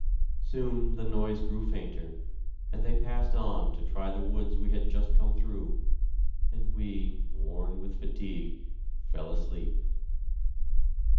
Soon the noise grew fainter, and they passed on to try the woods we had just come through, and we, worn with fatigue, fell asleep.